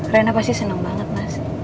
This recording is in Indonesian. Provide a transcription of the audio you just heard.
rena pasti senang banget mas